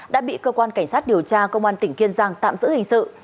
đã bị cơ quan cảnh sát điều tra công an tỉnh kiên giang tạm giữ hình sự